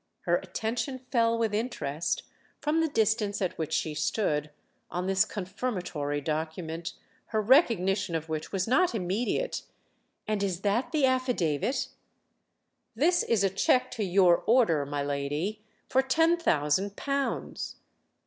Her attention fell with interest, from the distance at which she stood, on this confirmatory document, her recognition of which was not immediate. "And is that the affidavit?" "This is a cheque to your order, my lady, for ten thousand pounds."